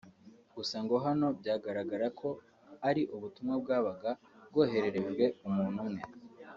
Gusa ngo hano byagaragaraga ko ari ubutumwa bwabaga bwohererejwe umuntu umwe